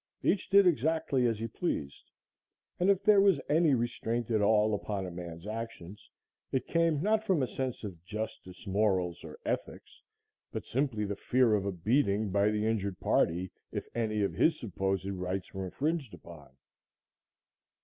Each did exactly as he pleased, and if there was any restraint at all upon a man's actions, it came not from a sense of justice, morals or ethics, but simply the fear of a beating by the injured party, if any of his supposed rights were infringed upon.